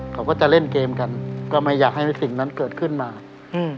เขาก็จะเล่นเกมกันก็ไม่อยากให้สิ่งนั้นเกิดขึ้นมาอืม